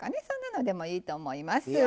そんなのでもいいと思います。